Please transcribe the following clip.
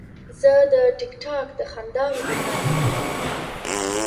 زه د ټک ټاک د خندا ویډیوګانې خوښوم.